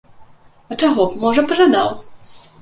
А чаго б, можа, пажадаў!